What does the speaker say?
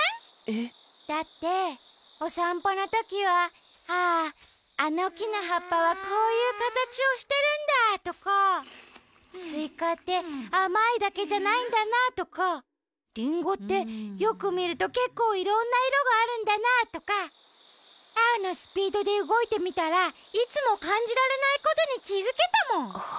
えっ？だっておさんぽのときは「あああのきのはっぱはこういうかたちをしてるんだ」とか「スイカってあまいだけじゃないんだな」とか「リンゴってよくみるとけっこういろんないろがあるんだな」とかアオのスピードでうごいてみたらいつもかんじられないことにきづけたもん。